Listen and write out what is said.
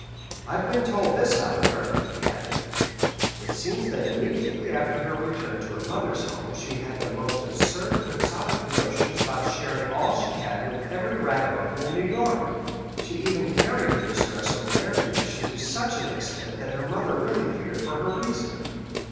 I've been told this, however," he added. "It seems that immediately after her return to her mother's home she had the most absurd quixotic notions about sharing all she had with every ragamuffin in New York. She even carried her distress over their condition to such an extent that her mother really feared for her reason.